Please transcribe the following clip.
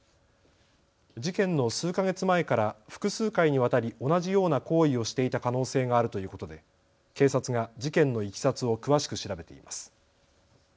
事件の数か月前から複数回にわたり同じような行為をしていた可能性があるということで警察が事件のいきさつを詳しく調べています。